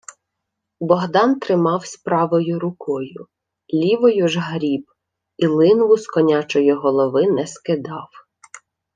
Богдан тримавсь правою рукою, лівою ж гріб і линву з конячої голови не скидав.